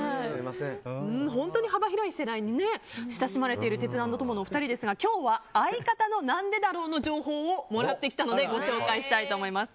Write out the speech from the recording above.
本当に幅広い世代に親しまれているテツａｎｄトモのお二人ですが今日は、相方の「なんでだろう」の情報をもらってきたのでご紹介したいと思います。